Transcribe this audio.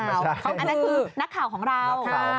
อันนั้นคือนักข่าวของเรา